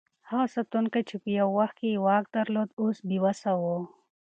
هغه ساتونکی چې یو وخت یې واک درلود، اوس بې وسه و.